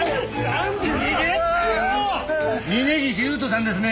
峰岸勇人さんですね？